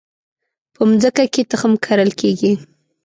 په مځکه کې تخم کرل کیږي